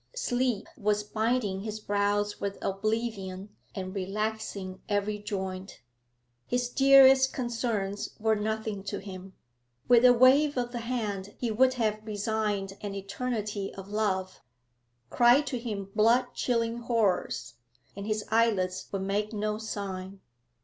Sleep was binding his brows with oblivion, and relaxing every joint. His dearest concerns were nothing to him; with a wave of the hand he would have resigned an eternity of love; cry to him blood chilling horrors, and his eyelids would make no sign.